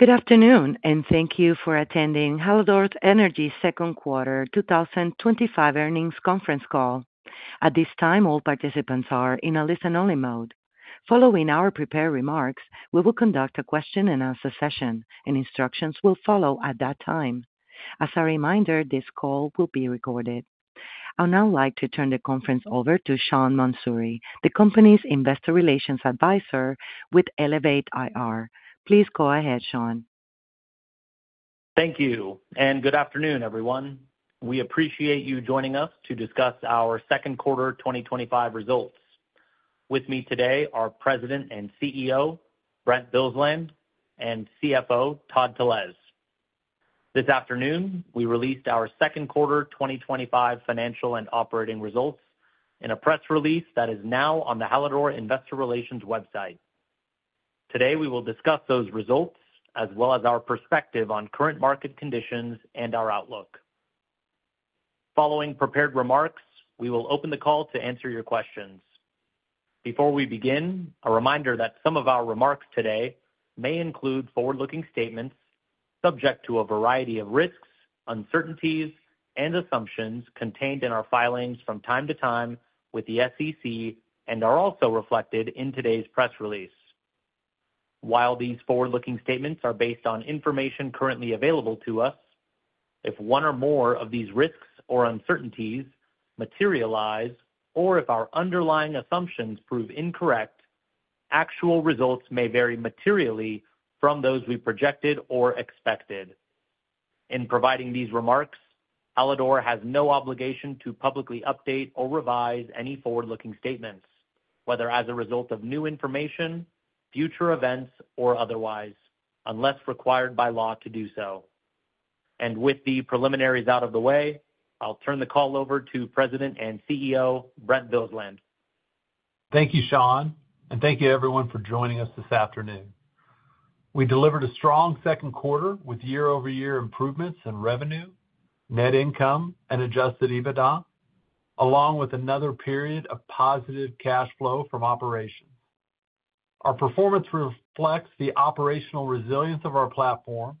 Good afternoon and thank you for attending Hallador Energy Company's Second Quarter 2025 Earnings Conference Call. At this time, all participants are in a listen-only mode. Following our prepared remarks, we will conduct a question-and-answer session, and instructions will follow at that time. As a reminder, this call will be recorded. I would now like to turn the conference over to Sean Mansouri, the company's Investor Relations Advisor with Elevate IR. Please go ahead, Sean. Thank you, and good afternoon, everyone. We appreciate you joining us to discuss our second quarter 2025 results. With me today are President and CEO Brent Bilsland and CFO Todd Telesz. This afternoon, we released our second quarter 2025 financial and operating results in a press release that is now on the Hallador Investor Relations website. Today, we will discuss those results as well as our perspective on current market conditions and our outlook. Following prepared remarks, we will open the call to answer your questions. Before we begin, a reminder that some of our remarks today may include forward-looking statements subject to a variety of risks, uncertainties, and assumptions contained in our filings from time to time with the SEC and are also reflected in today's press release. While these forward-looking statements are based on information currently available to us, if one or more of these risks or uncertainties materialize or if our underlying assumptions prove incorrect, actual results may vary materially from those we projected or expected. In providing these remarks, Hallador has no obligation to publicly update or revise any forward-looking statements, whether as a result of new information, future events, or otherwise, unless required by law to do so. With the preliminaries out of the way, I'll turn the call over to President and CEO Brent Bilsland. Thank you, Sean, and thank you, everyone, for joining us this afternoon. We delivered a strong second quarter with year-over-year improvements in revenue, net income, and adjusted EBITDA, along with another period of positive cash flow from operations. Our performance reflects the operational resilience of our platform,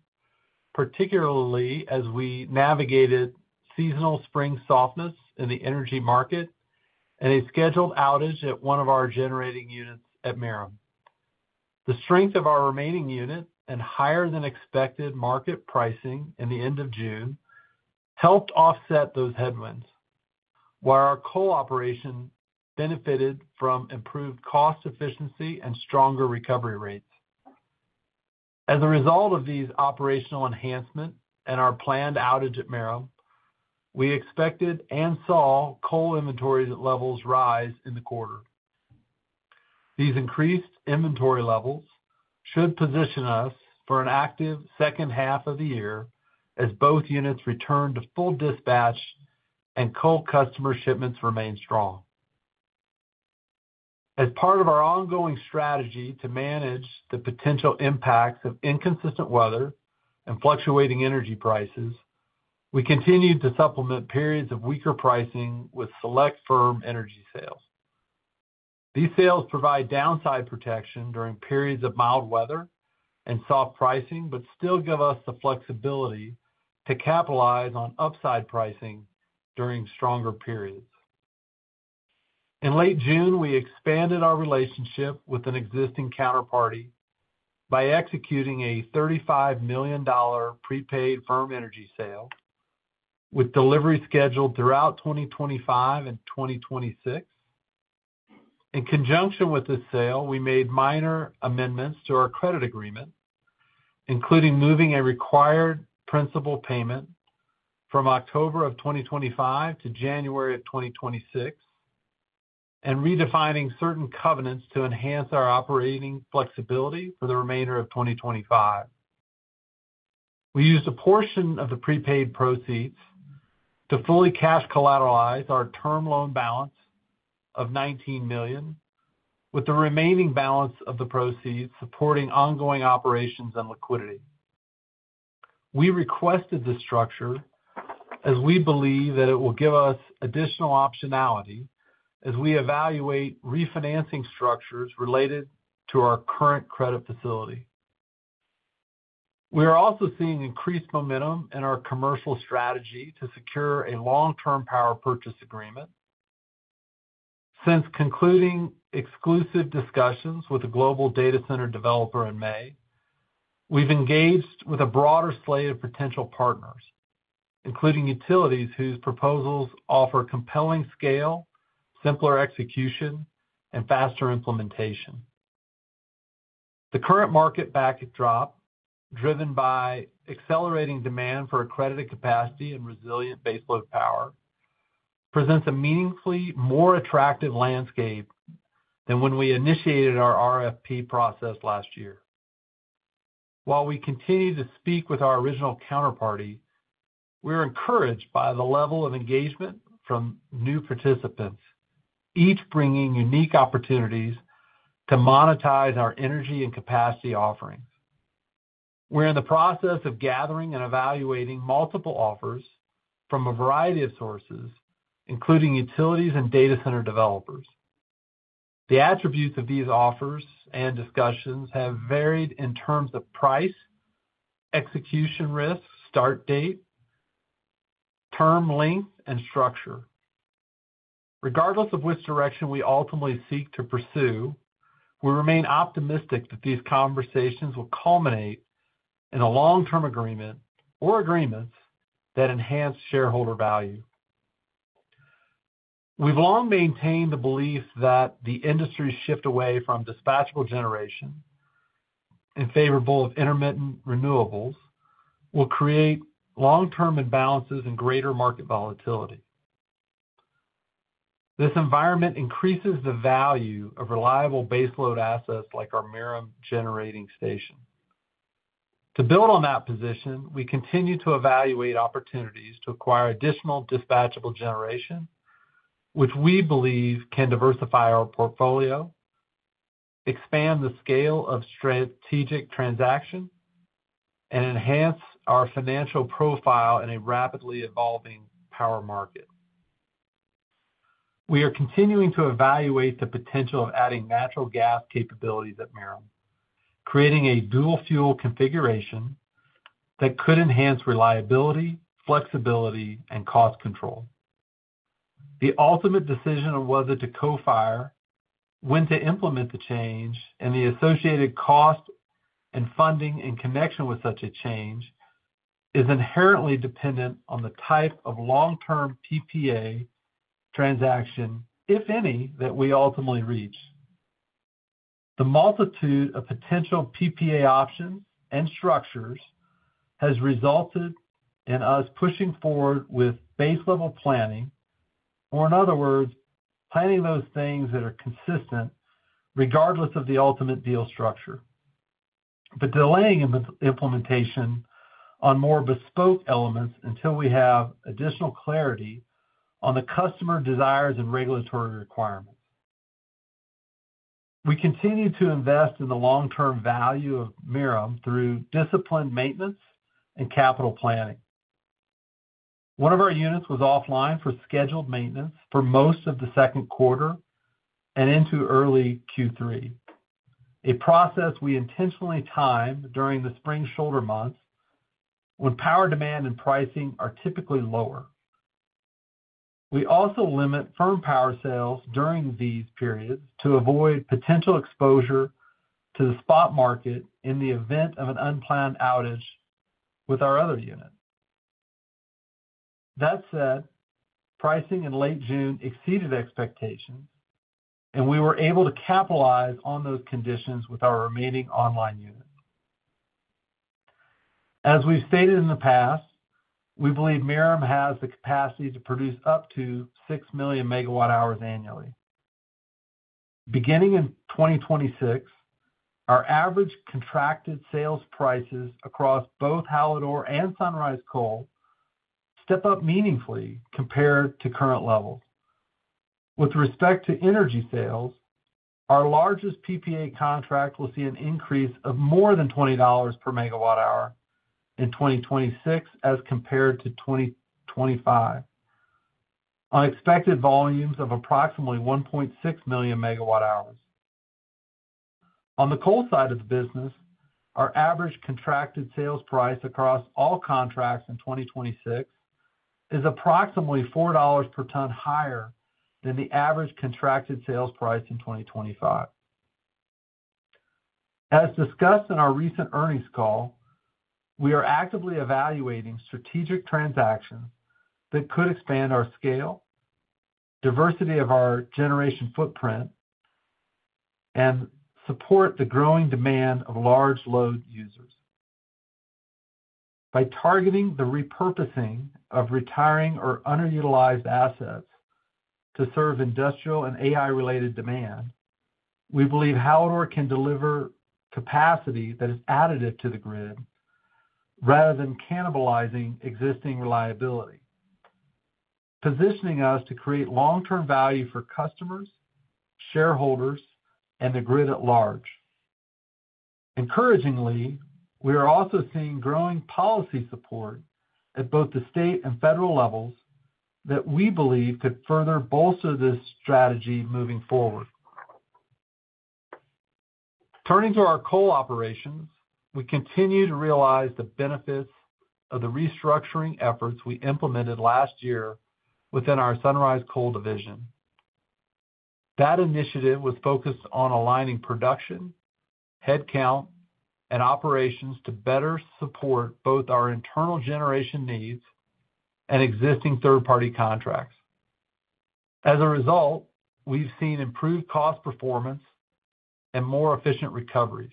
particularly as we navigated seasonal spring softness in the energy market and a scheduled outage at one of our generating units at Merom. The strength of our remaining unit and higher-than-expected market pricing at the end of June helped offset those headwinds, while our coal operation benefited from improved cost efficiency and stronger recovery rates. As a result of these operational enhancements and our planned outage at Merom, we expected and saw coal inventory levels rise in the quarter. These increased inventory levels should position us for an active second half of the year as both units return to full dispatch and coal customer shipments remain strong. As part of our ongoing strategy to manage the potential impacts of inconsistent weather and fluctuating energy prices, we continued to supplement periods of weaker pricing with select firm energy sales. These sales provide downside protection during periods of mild weather and soft pricing, but still give us the flexibility to capitalize on upside pricing during stronger periods. In late June, we expanded our relationship with an existing counterparty by executing a $35 million prepaid firm energy sale with delivery scheduled throughout 2025 and 2026. In conjunction with this sale, we made minor amendments to our credit agreement, including moving a required principal payment from October 2025 to January 2026 and redefining certain covenants to enhance our operating flexibility for the remainder of 2025. We used a portion of the prepaid proceeds to fully cash collateralize our term loan balance of $19 million, with the remaining balance of the proceeds supporting ongoing operations and liquidity. We requested this structure as we believe that it will give us additional optionality as we evaluate refinancing structures related to our current credit facility. We are also seeing increased momentum in our commercial strategy to secure a long-term power purchase agreement. Since concluding exclusive discussions with the global data center developer in May, we've engaged with a broader slate of potential partners, including utilities whose proposals offer compelling scale, simpler execution, and faster implementation. The current market backdrop, driven by accelerating demand for accredited capacity and resilient baseload power, presents a meaningfully more attractive landscape than when we initiated our RFP process last year. While we continue to speak with our original counterparty, we are encouraged by the level of engagement from new participants, each bringing unique opportunities to monetize our energy and capacity offering. We're in the process of gathering and evaluating multiple offers from a variety of sources, including utilities and data center developers. The attributes of these offers and discussions have varied in terms of price, execution risk, start date, term length, and structure. Regardless of which direction we ultimately seek to pursue, we remain optimistic that these conversations will culminate in a long-term agreement or agreements that enhance shareholder value. We've long maintained the belief that the industry's shift away from dispatchable generation in favor of intermittent renewables will create long-term imbalances and greater market volatility. This environment increases the value of reliable baseload assets like our Merom Generating Station. To build on that position, we continue to evaluate opportunities to acquire additional dispatchable generation, which we believe can diversify our portfolio, expand the scale of strategic transactions, and enhance our financial profile in a rapidly evolving power market. We are continuing to evaluate the potential of adding natural gas capabilities at Merom, creating a dual-fuel configuration that could enhance reliability, flexibility, and cost control. The ultimate decision of whether to co-fire, when to implement the change, and the associated cost and funding in connection with such a change is inherently dependent on the type of long-term PPA transaction, if any, that we ultimately reach. The multitude of potential PPA options and structures has resulted in us pushing forward with base-level planning, or in other words, planning those things that are consistent regardless of the ultimate deal structure, but delaying implementation on more bespoke elements until we have additional clarity on the customer desires and regulatory requirements. We continue to invest in the long-term value of Merom through disciplined maintenance and capital planning. One of our units was offline for scheduled maintenance for most of the second quarter and into early Q3, a process we intentionally timed during the spring shoulder months when power demand and pricing are typically lower. We also limit firm power sales during these periods to avoid potential exposure to the spot market in the event of an unplanned outage with our other unit. That said, pricing in late June exceeded expectations, and we were able to capitalize on those conditions with our remaining online units. As we've stated in the past, we believe Merom has the capacity to produce up to 6 million MWh annually. Beginning in 2026, our average contracted sales prices across both Hallador and Sunrise Coal step up meaningfully compared to current levels. With respect to energy sales, our largest PPA contract will see an increase of more than $20 per MWh in 2026 as compared to 2025, on expected volumes of approximately 1.6 million MWh. On the coal side of the business, our average contracted sales price across all contracts in 2026 is approximately $4 per ton higher than the average contracted sales price in 2025. As discussed in our recent earnings call, we are actively evaluating strategic transactions that could expand our scale, diversity of our generation footprint, and support the growing demand of large load users. By targeting the repurposing of retiring or underutilized assets to serve industrial and AI-related demand, we believe Hallador can deliver capacity that is additive to the grid rather than cannibalizing existing reliability, positioning us to create long-term value for customers, shareholders, and the grid at large. Encouragingly, we are also seeing growing policy support at both the state and federal levels that we believe could further bolster this strategy moving forward. Turning to our coal operations, we continue to realize the benefits of the restructuring efforts we implemented last year within our Sunrise Coal division. That initiative was focused on aligning production, headcount, and operations to better support both our internal generation needs and existing third-party contracts. As a result, we've seen improved cost performance and more efficient recoveries.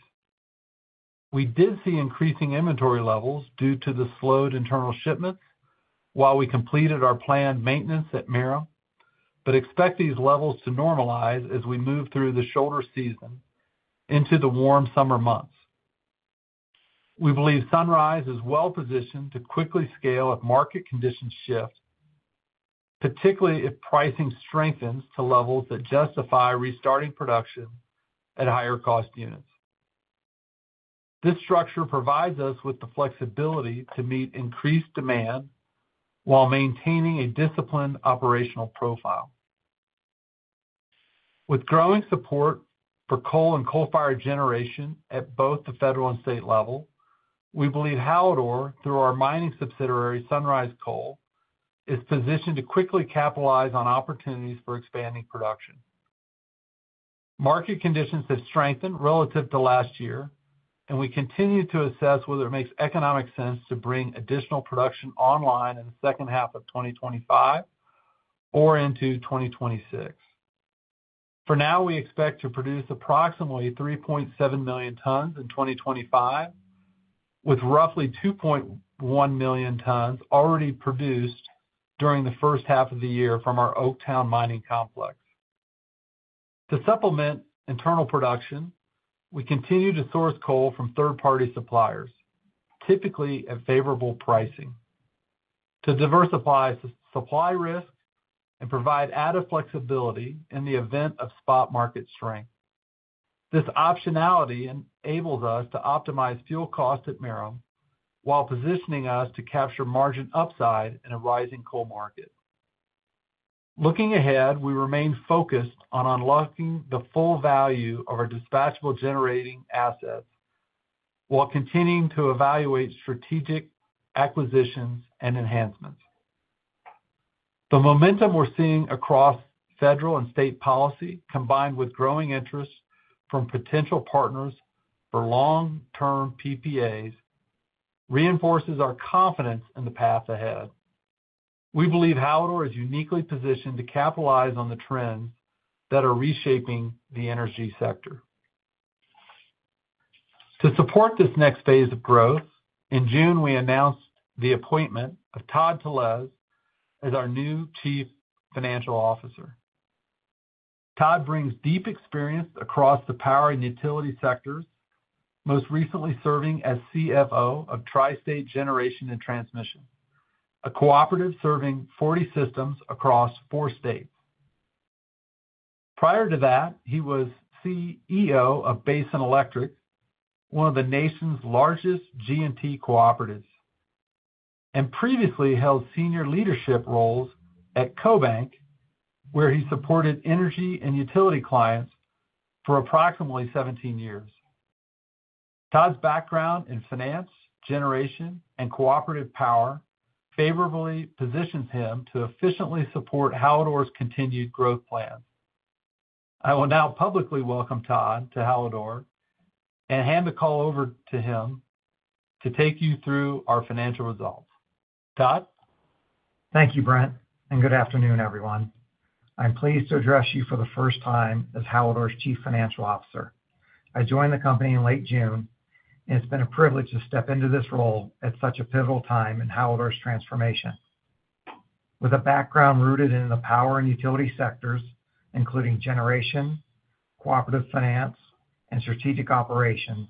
We did see increasing inventory levels due to the slowed internal shipments while we completed our planned maintenance at Merom, but expect these levels to normalize as we move through the shoulder season into the warm summer months. We believe Sunrise is well-positioned to quickly scale if market conditions shift, particularly if pricing strengthens to levels that justify restarting production at higher-cost units. This structure provides us with the flexibility to meet increased demand while maintaining a disciplined operational profile. With growing support for coal and coal-fired generation at both the federal and state level, we believe Hallador, through our mining subsidiary Sunrise Coal, is positioned to quickly capitalize on opportunities for expanding production. Market conditions have strengthened relative to last year, and we continue to assess whether it makes economic sense to bring additional production online in the second half of 2025 or into 2026. For now, we expect to produce approximately 3.7 million tons in 2025, with roughly 2.1 million tons already produced during the first half of the year from our Oaktown mining complex. To supplement internal production, we continue to source coal from third-party suppliers, typically at favorable pricing, to diversify supply risk and provide added flexibility in the event of spot market strength. This optionality enables us to optimize fuel costs at Merom while positioning us to capture margin upside in a rising coal market. Looking ahead, we remain focused on unlocking the full value of our dispatchable generation assets while continuing to evaluate strategic acquisitions and enhancements. The momentum we're seeing across federal and state policy, combined with growing interest from potential partners for long-term PPAs, reinforces our confidence in the path ahead. We believe Hallador is uniquely positioned to capitalize on the trends that are reshaping the energy sector. To support this next phase of growth, in June, we announced the appointment of Todd Telesz as our new Chief Financial Officer. Todd brings deep experience across the power and utility sectors, most recently serving as CFO of Tri-State Generation and Transmission, a cooperative serving 40 systems across four states. Prior to that, he was CEO of Basin Electric, one of the nation's largest G&T cooperatives, and previously held senior leadership roles at CoBank, where he supported energy and utility clients for approximately 17 years. Todd's background in finance, generation, and cooperative power favorably positions him to efficiently support Hallador's continued growth plans. I will now publicly welcome Todd to Hallador and hand the call over to him to take you through our financial results. Todd? Thank you, Brent, and good afternoon, everyone. I'm pleased to address you for the first time as Hallador's Chief Financial Officer. I joined the company in late June, and it's been a privilege to step into this role at such a pivotal time in Hallador's transformation. With a background rooted in the power and utility sectors, including generation, cooperative finance, and strategic operations,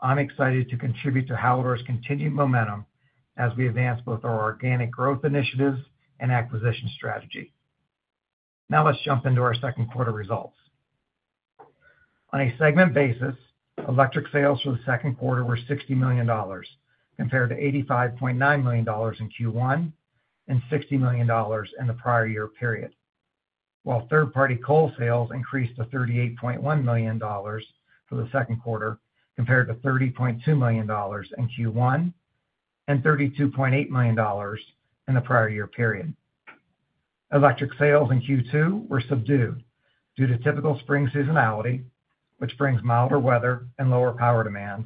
I'm excited to contribute to Hallador's continued momentum as we advance both our organic growth initiatives and acquisition strategy. Now let's jump into our Second uarter results. On a segment basis, electric sales for second quarter were $60 million, compared to $85.9 million in Q1 and $60 million in the prior year period, while third-party coal sales increased to $38.1 million for second quarter, compared to $30.2 million in Q1 and $32.8 million in the prior year period. Electric sales in Q2 were subdued due to typical spring seasonality, which brings milder weather and lower power demand,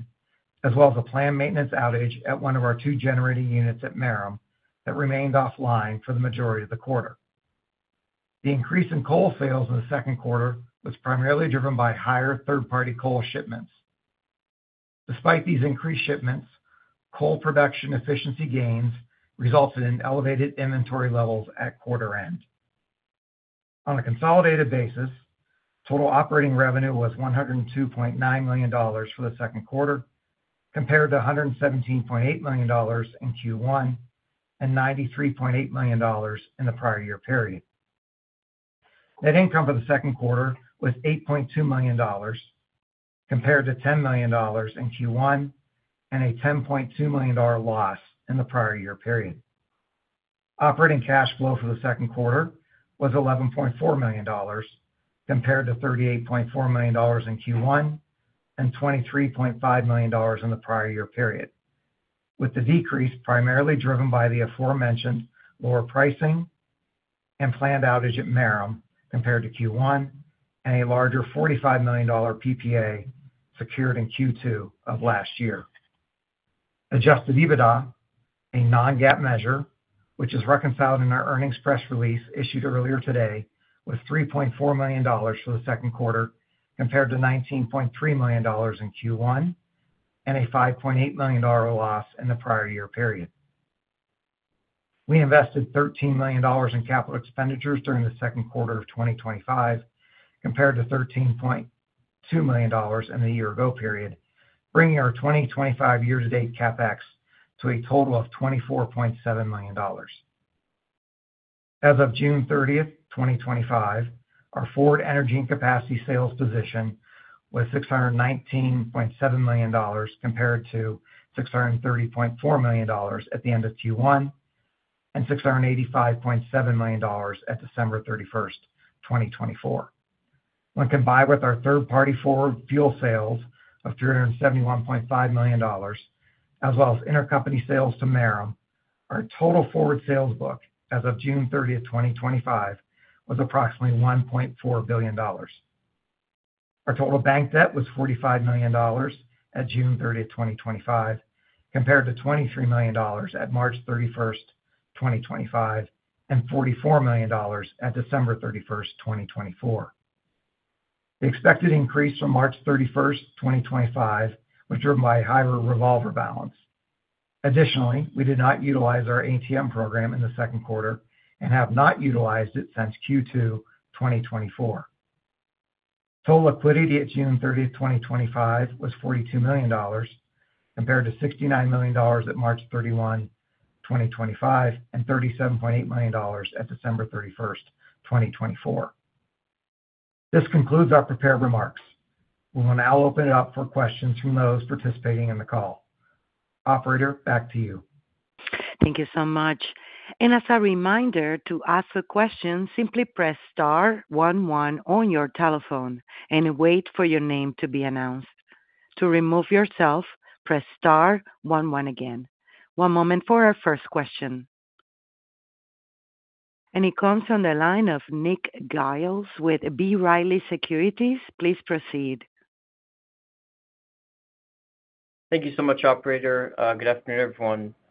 as well as a planned maintenance outage at one of our two generating units at Merom that remained offline for the majority of the quarter. The increase in coal sales in second quarter was primarily driven by higher third-party coal shipments. Despite these increased shipments, coal production efficiency gains resulted in elevated inventory levels at quarter end. On a consolidated basis, total operating revenue was $102.9 million for second quarter, compared to $117.8 million in Q1 and $93.8 million in the prior year period. Net income for second quarter was $8.2 million, compared to $10 million in Q1 and a $10.2 million loss in the prior year period. Operating cash flow for second quarter was $11.4 million, compared to $38.4 million in Q1 and $23.5 million in the prior year period, with the decrease primarily driven by the aforementioned lower pricing and planned outage at Merom compared to Q1 and a larger $45 million PPA secured in Q2 of last year. Adjusted EBITDA, a non-GAAP measure which is reconciled in our earnings press release issued earlier today, was $3.4 million for second quarter, compared to $19.3 million in Q1 and a $5.8 million loss in the prior year period. We invested $13 million in capital expenditures during second quarter of 2025, compared to $13.2 million in the year-ago period, bringing our 2025 year-to-date CapEx to a total of $24.7 million. As of June 30th, 2025, our forward energy and capacity sales position was $619.7 million compared to $630.4 million at the end of Q1 and $685.7 million at December 31st, 2024. When combined with our third-party forward fuel sales of $371.5 million, as well as intercompany sales to Merom, our total forward sales book as of June 30th, 2025 was approximately $1.4 billion. Our total bank debt was $45 million at June 30th, 2025, compared to $23 million at March 31st, 2025, and $44 million at December 31st, 2024. The expected increase from March 31st, 2025 was driven by a higher revolver balance. Additionally, we did not utilize our ATM program in second quarter and have not utilized it since Q2 2024. Total liquidity at June 30th, 2025 was $42 million, compared to $69 million at March 31st, 2025, and $37.8 million at December 31st, 2024. This concludes our prepared remarks. We will now open it up for questions from those participating in the call. Operator, back to you. Thank you so much. As a reminder, to ask a question, simply press star 11 on your telephone and wait for your name to be announced. To remove yourself, press star 11 again. One moment for our first question. It comes on the line of Nick Giles with B. Riley Securities. Please proceed. Thank you so much, Operator. Good afternoon,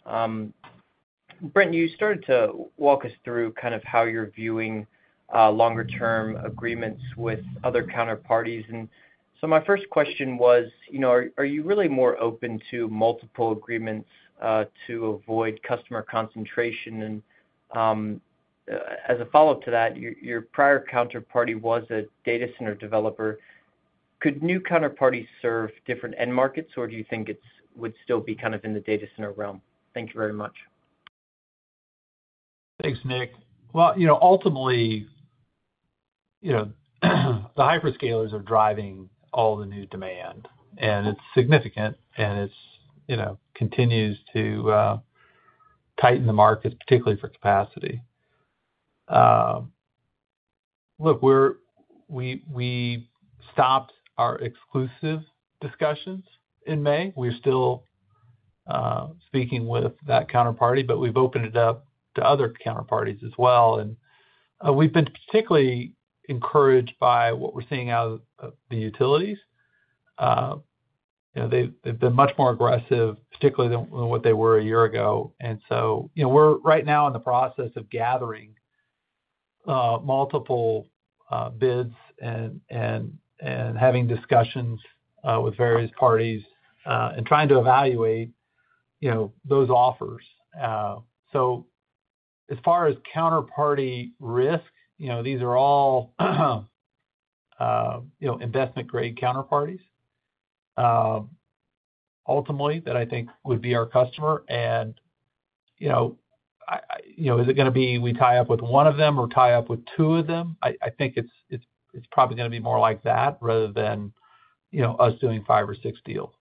everyone. Brent, you started to walk us through kind of how you're viewing longer-term agreements with other counterparties. My first question was, you know, are you really more open to multiple agreements to avoid customer concentration? As a follow-up to that, your prior counterparty was a data center developer. Could new counterparties serve different end markets, or do you think it would still be kind of in the data center realm? Thank you very much. Thanks, Nick. Ultimately, you know, the hyperscalers are driving all the new demand, and it's significant, and it continues to tighten the market, particularly for capacity. We stopped our exclusive discussions in May. We're still speaking with that counterparty, but we've opened it up to other counterparties as well. We've been particularly encouraged by what we're seeing out of the utilities. They've been much more aggressive, particularly than what they were a year ago. We're right now in the process of gathering multiple bids and having discussions with various parties and trying to evaluate those offers. As far as counterparty risk, these are all investment-grade counterparties, ultimately, that I think would be our customer. Is it going to be we tie up with one of them or tie up with two of them? I think it's probably going to be more like that rather than us doing five or six deals.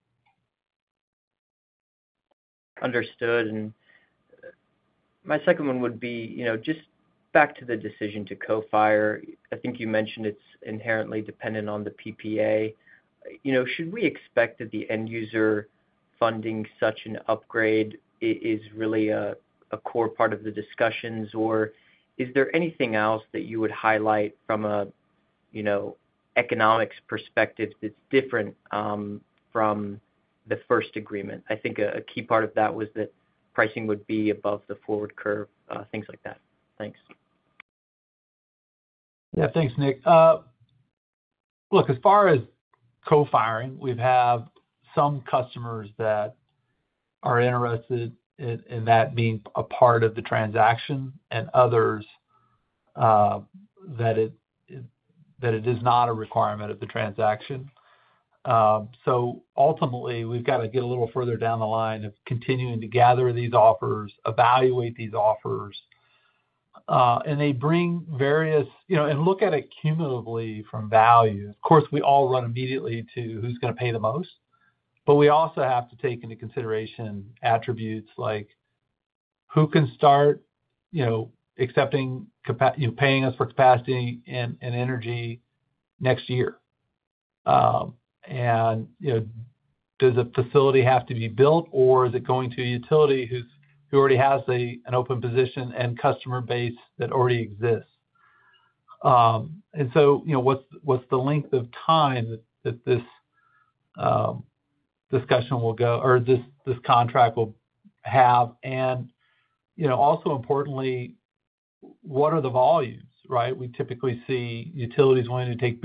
Understood. My second one would be, just back to the decision to co-fire. I think you mentioned it's inherently dependent on the PPA. Should we expect that the end user funding such an upgrade is really a core part of the discussions, or is there anything else that you would highlight from an economics perspective that's different from the first agreement? I think a key part of that was that pricing would be above the forward curve, things like that. Thanks. Yeah, thanks, Nick. As far as natural gas co-firing, we have some customers that are interested in that being a part of the transaction and others that it is not a requirement of the transaction. Ultimately, we've got to get a little further down the line of continuing to gather these offers, evaluate these offers, and they bring various, you know, and look at it cumulatively from value. Of course, we all run immediately to who's going to pay the most, but we also have to take into consideration attributes like who can start accepting, you know, paying us for capacity and energy next year. Does a facility have to be built, or is it going to a utility who already has an open position and customer base that already exists? What's the length of time that this discussion will go, or this contract will have? Also importantly, what are the volumes, right? We typically see utilities willing to take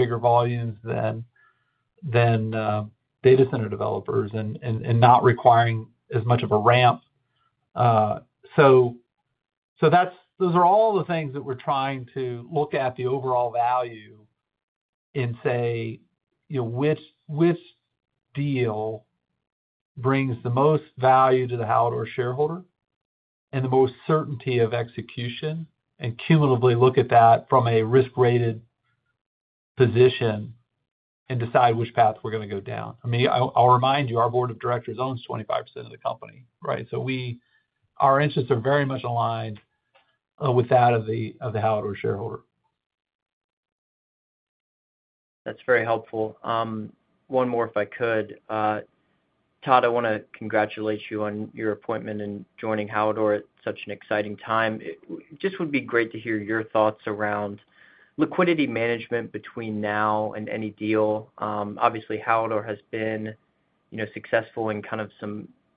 bigger volumes than data center developers and not requiring as much of a ramp. Those are all the things that we're trying to look at, the overall value, and say which deal brings the most value to the Hallador shareholder and the most certainty of execution, and cumulatively look at that from a risk-rated position and decide which path we're going to go down. I'll remind you, our board of directors owns 25% of the company, right? Our interests are very much aligned with that of the Hallador shareholder. That's very helpful. One more, if I could. Todd, I want to congratulate you on your appointment and joining Hallador at such an exciting time. It just would be great to hear your thoughts around liquidity management between now and any deal. Obviously, Hallador has been successful in kind of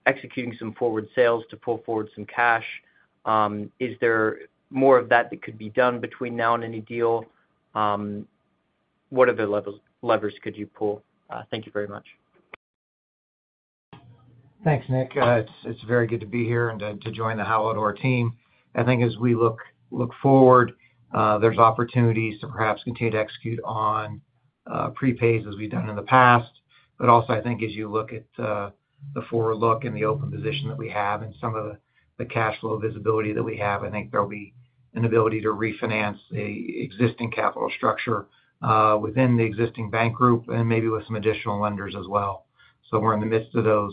executing some forward sales to pull forward some cash. Is there more of that that could be done between now and any deal? What other levers could you pull? Thank you very much. Thanks, Nick. It's very good to be here and to join the Hallador team. I think as we look forward, there's opportunities to perhaps continue to execute on prepays as we've done in the past. Also, I think as you look at the forward look and the open position that we have and some of the cash flow visibility that we have, I think there'll be an ability to refinance the existing capital structure within the existing bank group and maybe with some additional lenders as well. We're in the midst of those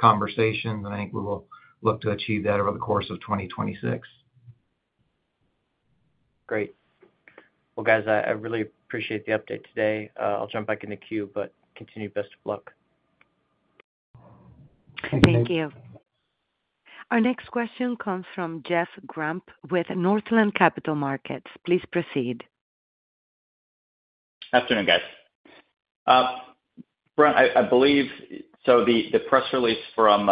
conversations, and I think we will look to achieve that over the course of 2026. Great. I really appreciate the update today. I'll jump back into queue, but continue best of luck. Thank you. Our next question comes from Jeff Grampp with Northland Capital Markets. Please proceed. Afternoon, guys. Brent, I believe the press release from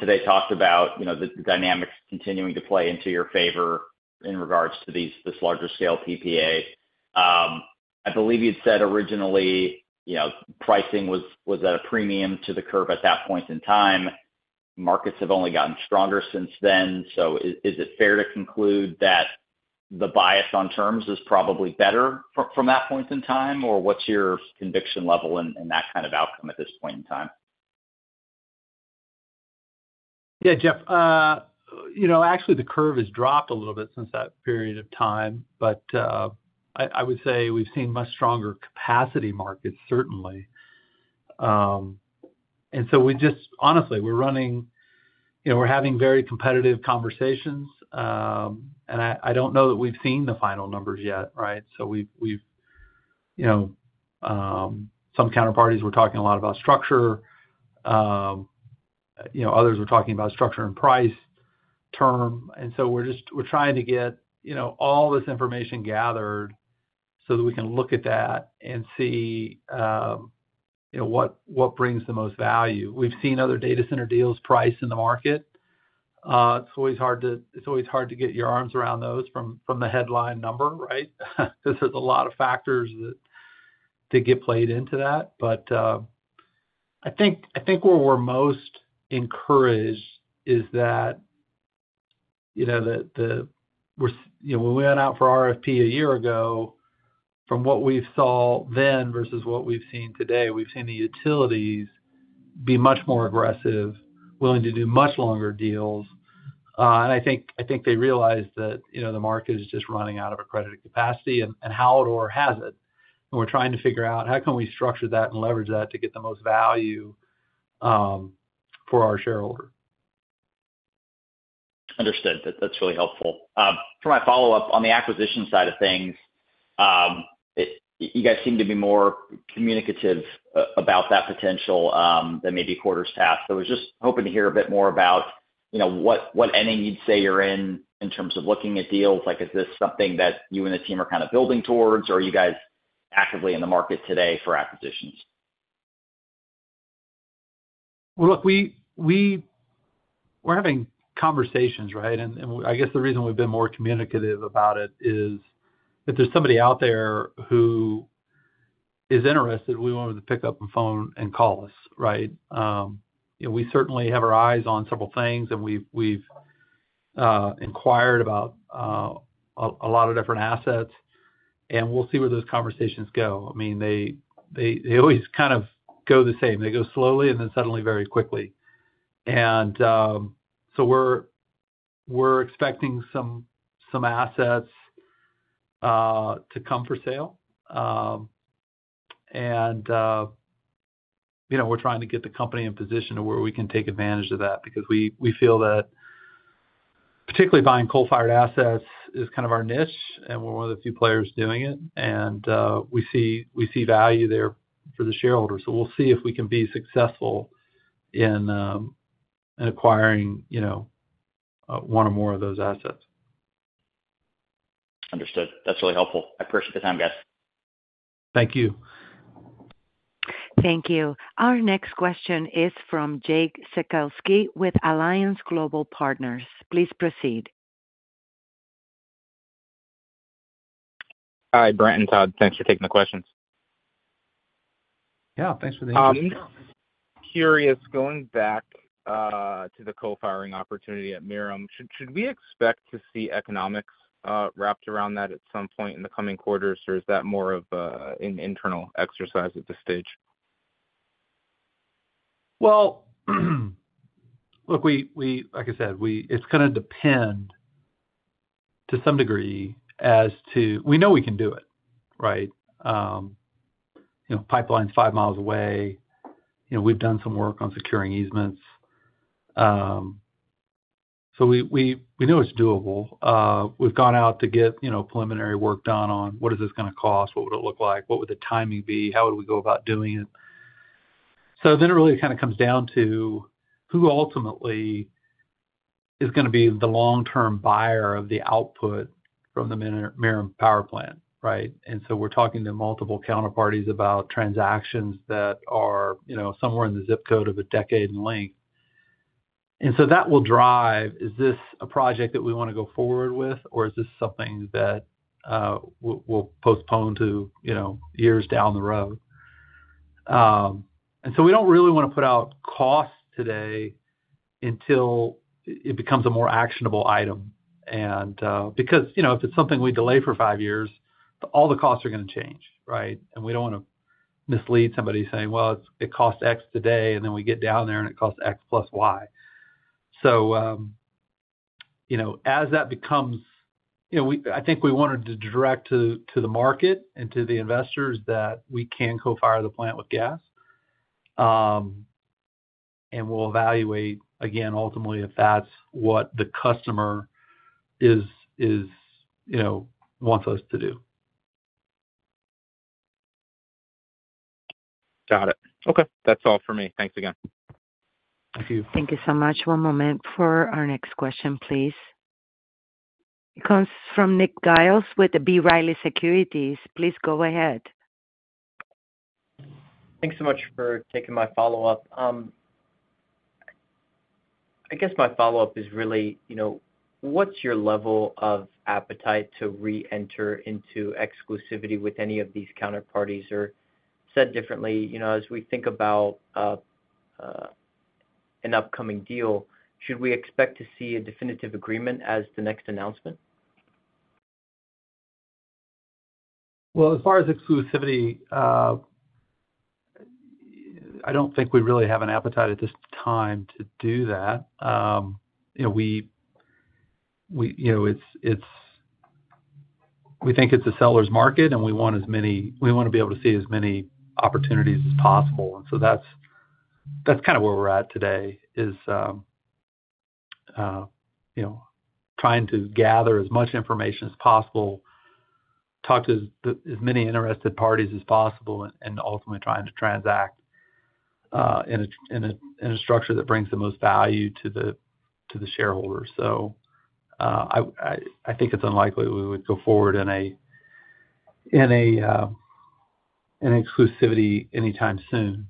today talked about the dynamics continuing to play into your favor in regards to this larger-scale PPA. I believe you'd said originally pricing was at a premium to the curve at that point in time. Markets have only gotten stronger since then. Is it fair to conclude that the bias on terms is probably better from that point in time, or what's your conviction level in that kind of outcome at this point in time? Yeah, Jeff. Actually, the curve has dropped a little bit since that period of time, but I would say we've seen much stronger capacity markets, certainly. We’re having very competitive conversations, and I don't know that we've seen the final numbers yet, right? Some counterparties were talking a lot about structure. Others were talking about structure and price term. We're trying to get all this information gathered so that we can look at that and see what brings the most value. We've seen other data center deals priced in the market. It's always hard to get your arms around those from the headline number, right? There are a lot of factors that get played into that. I think where we're most encouraged is that when we went out for RFP a year ago, from what we saw then versus what we've seen today, we've seen the utilities be much more aggressive, willing to do much longer deals. I think they realize that the market is just running out of accredited capacity, and Hallador has it. We're trying to figure out how can we structure that and leverage that to get the most value for our shareholders. Understood. That's really helpful. For my follow-up on the acquisition side of things, you guys seem to be more communicative about that potential than maybe quarters past. I was just hoping to hear a bit more about what ending you'd say you're in in terms of looking at deals. Is this something that you and the team are kind of building towards, or are you guys actively in the market today for acquisitions? We're having conversations, right? The reason we've been more communicative about it is if there's somebody out there who is interested, we want them to pick up the phone and call us, right? We certainly have our eyes on several things, and we've inquired about a lot of different assets, and we'll see where those conversations go. I mean, they always kind of go the same. They go slowly and then suddenly very quickly. We're expecting some assets to come for sale. We're trying to get the company in a position to where we can take advantage of that because we feel that particularly buying coal-fired assets is kind of our niche, and we're one of the few players doing it. We see value there for the shareholders. We'll see if we can be successful in acquiring, you know, one or more of those assets. Understood. That's really helpful. I appreciate the time, guys. Thank you. Thank you. Our next question is from Jake Sekelsky with Alliance Global Partners. Please proceed. Hi, Brent and Todd. Thanks for taking the questions. Yeah, thanks for the intro. I'm curious, going back to the co-firing opportunity at Merom, should we expect to see economics wrapped around that at some point in the coming quarters, or is that more of an internal exercise at this stage? Like I said, it's going to depend to some degree as to we know we can do it, right? You know, pipeline's five miles away. We've done some work on securing easements. We know it's doable. We've gone out to get preliminary work done on what is this going to cost, what would it look like, what would the timing be, how would we go about doing it. It really kind of comes down to who ultimately is going to be the long-term buyer of the output from the Merom Generating Station, right? We're talking to multiple counterparties about transactions that are somewhere in the zip code of a decade in length. That will drive, is this a project that we want to go forward with, or is this something that we'll postpone to years down the road? We don't really want to put out costs today until it becomes a more actionable item, because if it's something we delay for five years, all the costs are going to change, right? We don't want to mislead somebody saying it costs X today, and then we get down there and it costs X+Y. As that becomes, I think we wanted to direct to the market and to the investors that we can co-fire the plant with gas. We'll evaluate again, ultimately, if that's what the customer wants us to do. Got it. Okay, that's all for me. Thanks again. Thank you. Thank you so much. One moment for our next question, please. It comes from Nick Giles with B. Riley Securities. Please go ahead. Thanks so much for taking my follow-up. I guess my follow-up is really, you know, what's your level of appetite to re-enter into exclusivity with any of these counterparties? Or, said differently, as we think about an upcoming deal, should we expect to see a definitive agreement as the next announcement? As far as exclusivity, I don't think we really have an appetite at this time to do that. We think it's a seller's market, and we want to be able to see as many opportunities as possible. That's kind of where we're at today, trying to gather as much information as possible, talk to as many interested parties as possible, and ultimately trying to transact in a structure that brings the most value to the shareholders. I think it's unlikely we would go forward in an exclusivity anytime soon.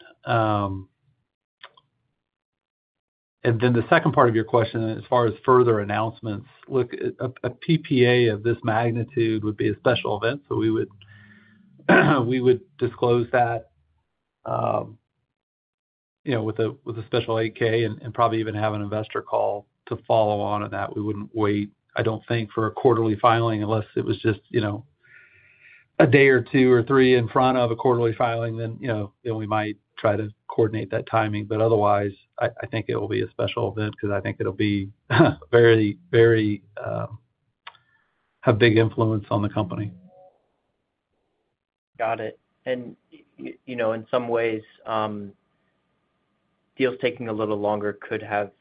The second part of your question, as far as further announcements, a power purchase agreement of this magnitude would be a special event. We would disclose that with a special Form 8-K and probably even have an investor call to follow on in that. We wouldn't wait, I don't think, for a quarterly filing unless it was just a day or two or three in front of a quarterly filing, then we might try to coordinate that timing. Otherwise, I think it will be a special event because I think it'll have a big influence on the company. Got it. In some ways, deals taking a little longer could have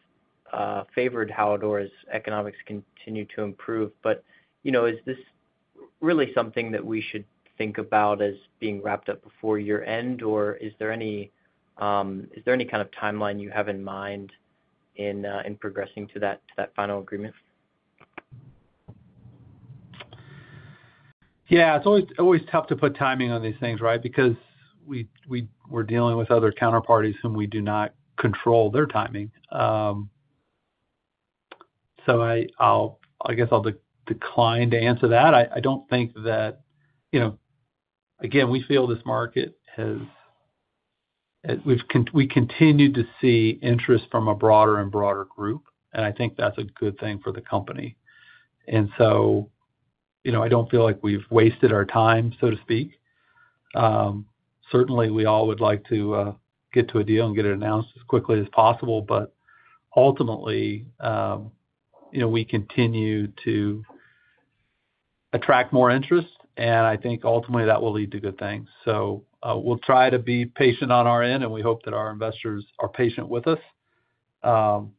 favored Hallador as economics continue to improve. Is this really something that we should think about as being wrapped up before year end, or is there any kind of timeline you have in mind in progressing to that final agreement? Yeah, it's always tough to put timing on these things, right, because we're dealing with other counterparties whom we do not control their timing. I guess I'll decline to answer that. I don't think that, you know, again, we feel this market has, we've continued to see interest from a broader and broader group, and I think that's a good thing for the company. You know, I don't feel like we've wasted our time, so to speak. Certainly, we all would like to get to a deal and get it announced as quickly as possible. Ultimately, you know, we continue to attract more interest, and I think ultimately that will lead to good things. We'll try to be patient on our end, and we hope that our investors are patient with us because,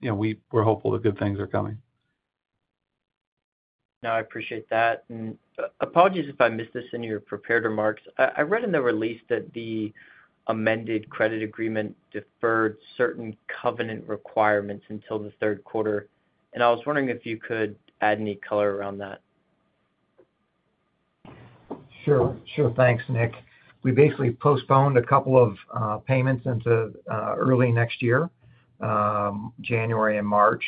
you know, we're hopeful that good things are coming. I appreciate that. Apologies if I missed this in your prepared remarks. I read in the release that the amended credit agreement deferred certain covenant requirements until the third quarter. I was wondering if you could add any color around that. Sure, sure. Thanks, Nick. We basically postponed a couple of payments into early next year, January and March.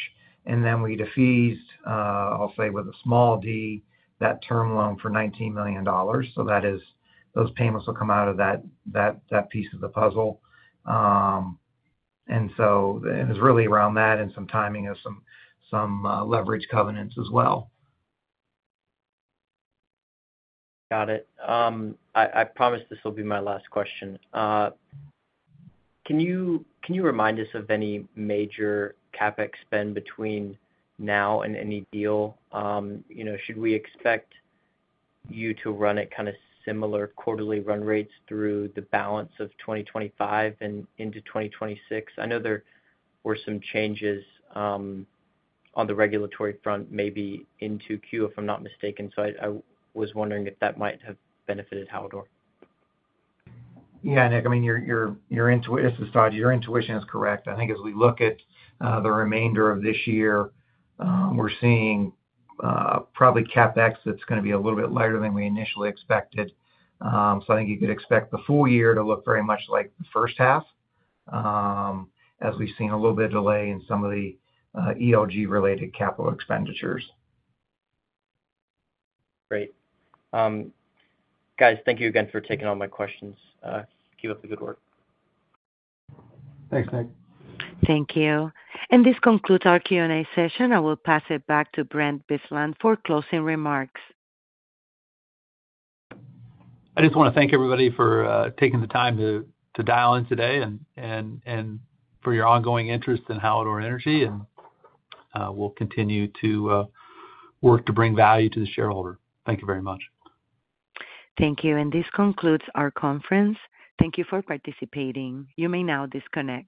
We defeased, I'll say with a small d, that term loan for $19 million. Those payments will come out of that piece of the puzzle. It was really around that and some timing of some leverage covenants as well. Got it. I promise this will be my last question. Can you remind us of any major CapEx spend between now and any deal? Should we expect you to run at kind of similar quarterly run rates through the balance of 2025 and into 2026? I know there were some changes on the regulatory front maybe into Q, if I'm not mistaken. I was wondering if that might have benefited Hallador. Yeah, Nick, I mean, your intuition is correct. I think as we look at the remainder of this year, we're seeing probably CapEx that's going to be a little bit lighter than we initially expected. I think you could expect the full year to look very much like the first half, as we've seen a little bit of delay in some of the ELG-related capital expenditures. Great. Guys, thank you again for taking all my questions. Keep up the good work. Thanks, Nick. Thank you. This concludes our Q&A session. I will pass it back to Brent Bilsland for closing remarks. I just want to thank everybody for taking the time to dial in today and for your ongoing interest in Hallador Energy. We'll continue to work to bring value to the shareholder. Thank you very much. Thank you. This concludes our conference. Thank you for participating. You may now disconnect.